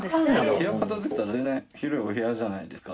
部屋片づけたら全然広いお部屋じゃないですか。